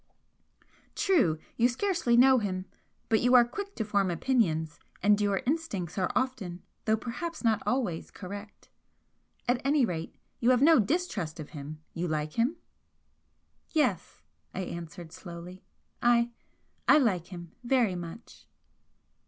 "True! You scarcely know him, but you are quick to form opinions, and your instincts are often, though perhaps not always, correct. At any rate, you have no distrust of him? You like him?" "Yes," I answered, slowly "I I like him very much."